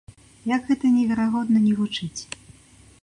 Як гэта неверагодна ні гучыць.